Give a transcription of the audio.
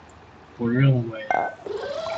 我認為